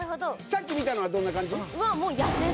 さっき見たのはどんな感じ？